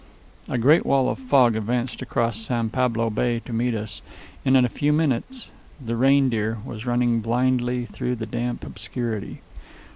A great wall of fog advanced across San Pablo Bay to meet us, and in a few minutes the Reindeer was running blindly through the damp obscurity.